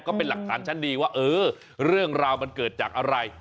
ก็เป็นหลักฐานชั้นดีว่าเออเรื่องราวมันเกิดจากอะไร